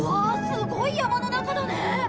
すごい山の中だね。